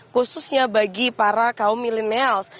khususnya bagi para kaum milenials